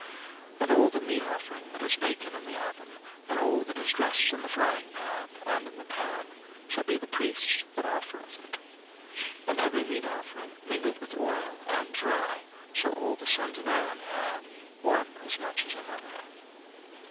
03:007:009 And all the meat offering that is baken in the oven, and all that is dressed in the fryingpan, and in the pan, shall be the priest's that offereth it. 03:007:010 And every meat offering, mingled with oil, and dry, shall all the sons of Aaron have, one as much as another.